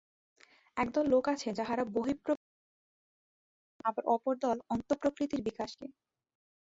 একদল লোক আছে, যাহারা বহিঃপ্রকৃতির বিকাশকেই প্রাধান্য দেয়, আবার অপরদল অন্তঃপ্রকৃতির বিকাশকে।